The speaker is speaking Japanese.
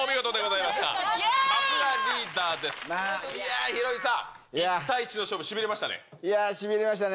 いや、ヒロミさん、１対１の勝負、しびれましたね。